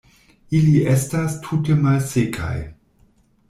Ili estas tute malsekaj.